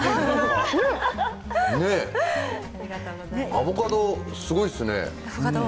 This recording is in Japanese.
アボカド、すごいですね。